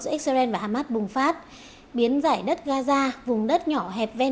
giữa israel và hamas bùng phát biến giải đất gaza vùng đất nhỏ hẹp ven